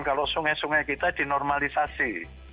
kalau sungai sungai kita dinormalisasi